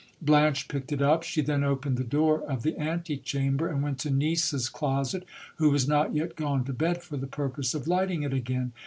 Blanche picked it up. She then opened the door of the ante ianiber, and went to Nisa's closet, who was not yet gone to bed, for the pur se of lighting it again.